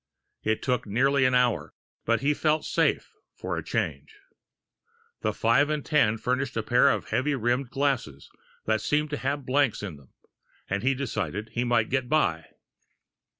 It took nearly an hour, but he felt safe, for a change. A five and ten furnished a pair of heavy rimmed glasses that seemed to have blanks in them, and he decided he might get by.